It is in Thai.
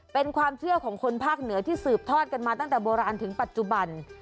เป็นความเชื่อของคนภาคเหนือที่สืบทอดกันมาตั้งแต่โบราณถึงปัจจุบัน